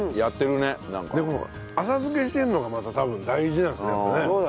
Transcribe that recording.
でも浅漬けしてるのがまた多分大事なんですねやっぱね。